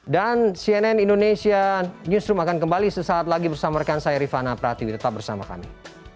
dan cnn indonesia newsroom akan kembali sesaat lagi bersama rekan saya rifana pratiwi tetap bersama kami